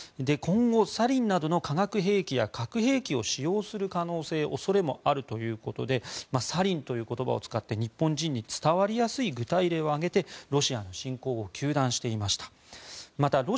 今後、サリンなどの化学兵器や核兵器を使用する可能性恐れもあるということでサリンという言葉を使って日本人に伝わりやすい具体例を挙げてロシアの侵攻を糾弾していました。